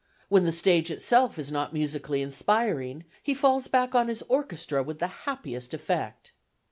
When the stage itself is not musically inspiring, he falls back on his orchestra with the happiest effect.